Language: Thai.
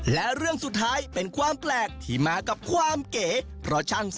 และเรื่องสุดท้ายเป็นความแปลกที่มากับความเก๋